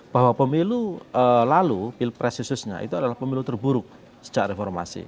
bahwa pemilu lalu pilpres khususnya itu adalah pemilu terburuk sejak reformasi